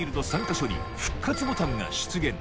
３か所に復活ボタンが出現